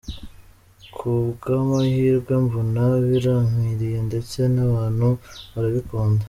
Ku bw’amahirwe mbona birampiriye ndetse n’abantu barabikunda”.